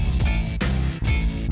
dan semoga kami bisa ditemukanqru